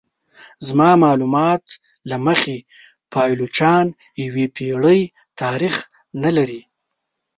زما معلومات له مخې پایلوچان یوې پیړۍ تاریخ نه لري.